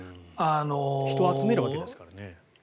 人を集めるわけですからね。